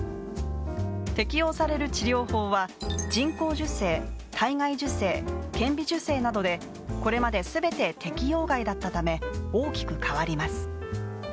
適用される治療法は人工授精、体外受精、顕微授精などでこれまで全て適用外だったため大きく変わります。